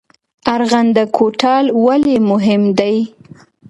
ارغنده کوتل ولې مهم دی؟